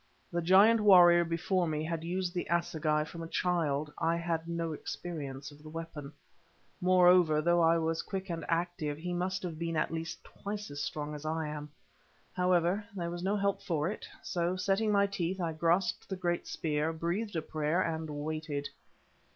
The giant warrior before me had used the assegai from a child—I had no experience of the weapon. Moreover, though I was quick and active, he must have been at least twice as strong as I am. However, there was no help for it, so, setting my teeth, I grasped the great spear, breathed a prayer, and waited.